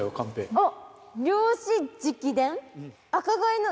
あっ！